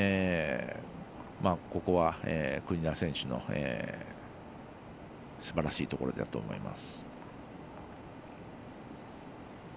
ここは、国枝選手のすばらしいところだと思います。